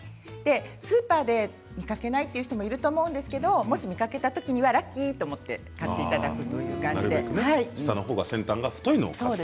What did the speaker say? スーパーで見かけない人もいると思うんですけどもし見かけた時にはラッキーと思って買っていただくという感じで。